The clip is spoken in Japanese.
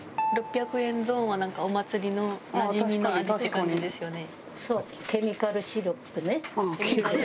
６００円ゾーンはなんかお祭りのなじみの味って感じですよね。